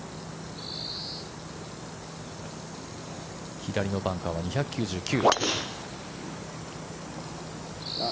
左のバンカーは２９９。